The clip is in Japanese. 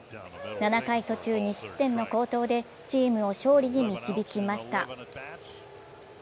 ７回途中２失点の好投でチームを勝利に導きました。